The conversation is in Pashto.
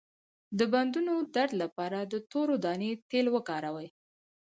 د بندونو درد لپاره د تورې دانې تېل وکاروئ